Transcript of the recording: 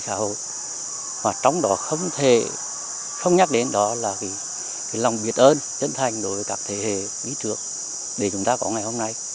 dẫn thành đối với các thế hệ bí trưởng để chúng ta có ngày hôm nay